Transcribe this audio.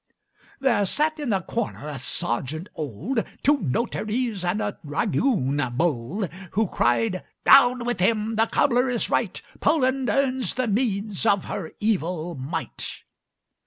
"There sat in the corner a sergeant old, Two notaries and a dragoon bold, Who cried 'Down with him! The cobbler is right! Poland earns the meeds of her evil might!'